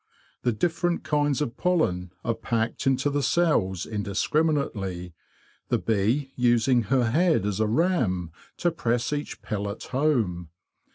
The different kinds of pollen are packed into the cells indiscriminately, the bee using her head as a ram to press each pellet home.